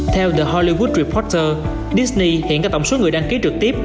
theo the hollywood reporter disney hiện các tổng số người đăng ký trực tiếp